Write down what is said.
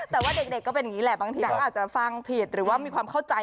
แต่ว่าเด็กก็เป็นก็เนี่ยแหละ